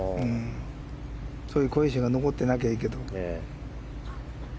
そういう恐怖心が残ってなきゃいいけど。